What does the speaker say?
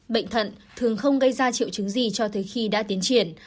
bệnh thận thường không gây ra triệu chứng gì cho tới khi đã tiến triển